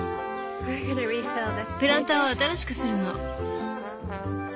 プランターを新しくするの。